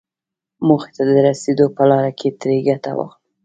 موخې ته د رسېدو په لاره کې ترې ګټه واخلم.